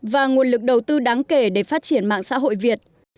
và nguồn lực đầu tư đáng kể để phát triển mạng xã hội việt